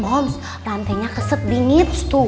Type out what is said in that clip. moms rantainya keset bingits tuh